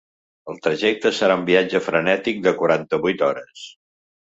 El trajecte serà un viatge frenètic de quaranta-vuit hores.